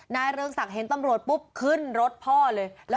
เรืองศักดิ์เห็นตำรวจปุ๊บขึ้นรถพ่อเลย